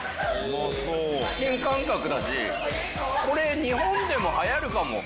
新感覚だしこれ日本でも流行るかも。